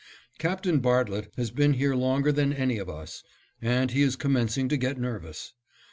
Captain Bartlett has been here longer than any of us, and he is commencing to get nervous.